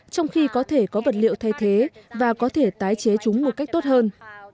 trong khi có thể có vật liệu thay thế và có thể tái chế chúng một cách tốt hơn